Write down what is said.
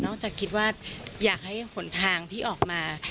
จากคิดว่าอยากให้หนทางที่ออกมา